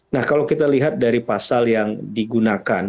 nah kalau kita lihat dari pasal yang digunakan